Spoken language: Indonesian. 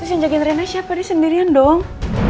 terus yang jagain rene siapa dia sendirian dong